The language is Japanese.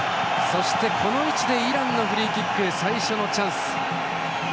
そしてこの位置でイランがフリーキック最初のチャンス。